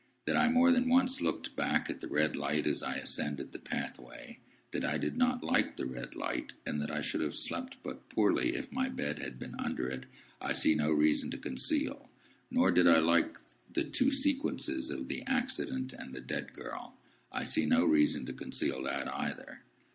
That I more than once looked back at the red light as I ascended the pathway, that I did not like the red light, and that I should have slept but poorly if my bed had been under it, I see no reason to conceal. Nor did I like the two sequences of the accident and the dead girl. I see no reason to conceal that either.